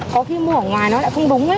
có khi mua ở ngoài nó lại không đúng